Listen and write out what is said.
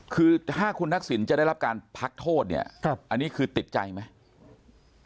คือถ้าคุณทักษิณจะได้รับการพักโทษเนี่ยอันนี้คือติดใจไหม